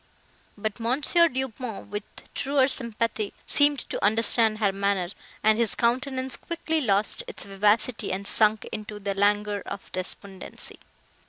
But M. Du Pont, with truer sympathy, seemed to understand her manner, and his countenance quickly lost its vivacity, and sunk into the languor of despondency.